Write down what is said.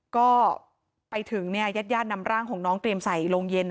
ก็ไปถึงญาติญาตินำร่างของน้องเตรียมใส่โรงเย็น